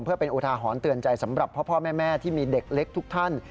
เพื่อเป็นอุทาหรณ์เตือนใจสำหรับพ่อแม่ที่มีเด็กเล็กทุกท่าน